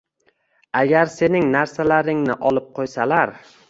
Agar sening narsalaringni olib qo‘ysalar